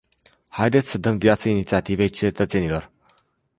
Haideți să dăm viață inițiativei cetățenilor.